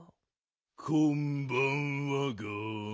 こんばんはガン。